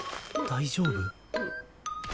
大丈夫。